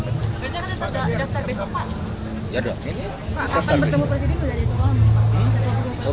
pak akan bertemu presiden belum